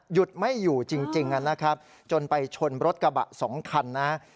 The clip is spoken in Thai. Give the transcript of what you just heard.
หยุดไม่อยู่จริงนะครับจนไปชนรถกระบะ๒คันนะ